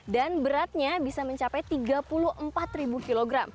dan beratnya bisa mencapai tiga puluh empat kg